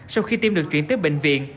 sau khi tim được chuyển tới bệnh viện